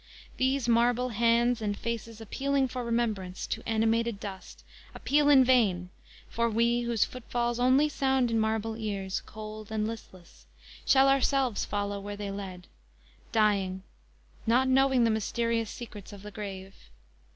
These marble hands and faces appealing For remembrance, to animated dust Appeal in vain, for we, whose footfalls Only sound in marble ears, cold and listless, Shall ourselves follow where they led, dying Not knowing the mysterious secrets of the grave.